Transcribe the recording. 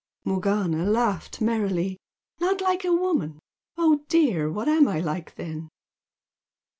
Morgana laughed merrily. "Not like a woman! Oh dear! What am I like then?"